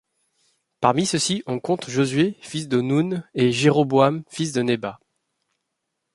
Parmi ceux-ci, on compte Josué fils de Noun et Jéroboam fils de Nébat.